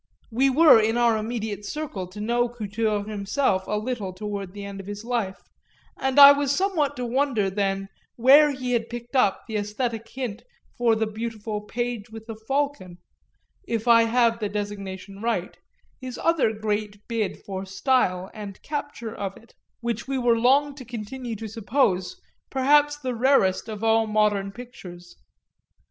We were in our immediate circle to know Couture himself a little toward the end of his life, and I was somewhat to wonder then where he had picked up the æsthetic hint for the beautiful Page with a Falcon, if I have the designation right, his other great bid for style and capture of it which we were long to continue to suppose perhaps the rarest of all modern pictures.